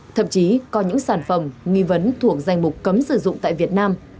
thậm chí có những sản phẩm nghi vấn thuộc danh mục cấm sử dụng tại việt nam